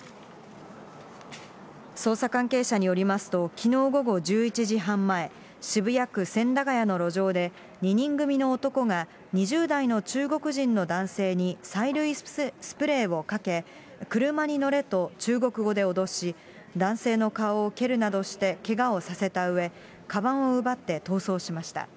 捜査関係者によりますと、きのう午後１１時半前、渋谷区千駄ヶ谷の路上で２人組の男が、２０代の中国人の男性に催涙スプレーをかけ、車に乗れと、中国語で脅し、男性の顔を蹴るなどしてけがをさせたうえ、かばんを奪って逃走しました。